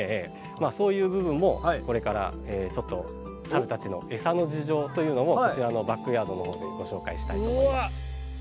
そういう部分もこれからちょっとサルたちのエサの事情というのもこちらのバックヤードのほうでご紹介したいと思います。